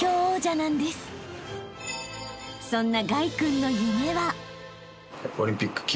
［そんな］